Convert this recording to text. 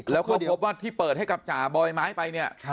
แล้วก็พบว่าที่เปิดให้กับจ่าบอยไม้ไปเนี่ย